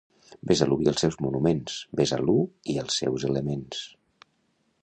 Besalú i els seus monuments; Besalú i els seus elements.